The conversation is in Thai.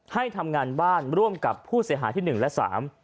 ให้ทำงานบ้านร่วมกับผู้เสียหาที่๑และ๓